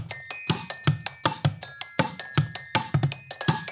เพื่อสนับสนุนที่สุดท้าย